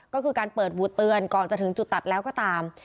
ก็คือการเปิดบูดเตือนก่อนจะถึงจุดตัดแล้วก็ตาม